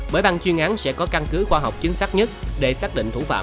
bởi ban chuyên án sẽ có căn cứ khoa học chính xác nhất để xác định thủ phạm